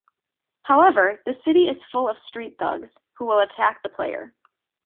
However, the city is full of street thugs who will attack the player.